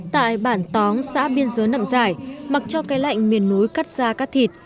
tại bản tóng xã biên giới nằm dài mặc cho cái lạnh miền núi cắt ra cắt thịt